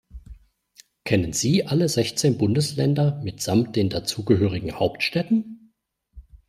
Kennen Sie alle sechzehn Bundesländer mitsamt den dazugehörigen Hauptstädten?